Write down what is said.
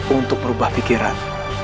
untuk merubah pikiran